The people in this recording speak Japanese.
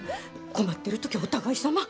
困ってる時は、お互いさま。